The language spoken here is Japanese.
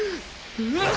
うわっ！